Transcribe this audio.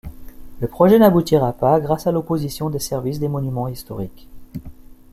Le projet n'aboutira pas, grâce à l'opposition des Services des Monuments historiques.